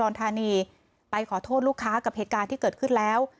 ธานีไปขอโทษลูกค้ากับเหตุการณ์ที่เกิดขึ้นแล้ว